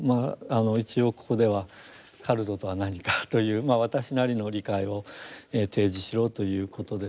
一応ここではカルトとは何かという私なりの理解を提示しろということですので。